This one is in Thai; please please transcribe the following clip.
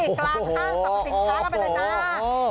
กลางข้างสะบัดข้ากระทะไปล่ะจ๊ะ